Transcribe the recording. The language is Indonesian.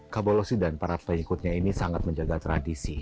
kabolosi dan para pengikutnya ini sangat menjaga tradisi